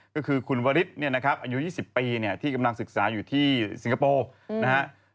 ก็คือคุณวริสเนี่ยนะครับอายุ๒๐ปีที่กำลังศึกษาอยู่ที่สิงคโปร์นะครับ